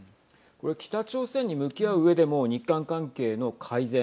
北朝鮮に向き合ううえでも日韓関係の改善